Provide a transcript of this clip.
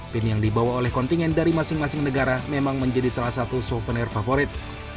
pin yang dibawa oleh kontingen dari masing masing negara memang menjadi salah satu souvenir favorit